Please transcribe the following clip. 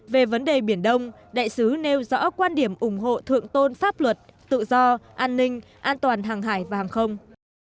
về vấn đề biển đông đại sứ nêu rõ quan điểm ủng hộ thượng tôn pháp luật tự do an ninh an toàn hàng hải và hàng không